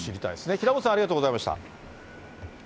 平本さん、ありがとうございました。